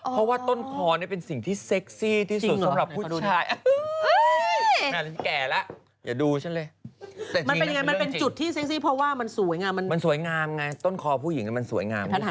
เพราะว่าต้นคอนี่เป็นสิ่งที่เซ็กซี่ที่สุดสำหรับผู้ชาย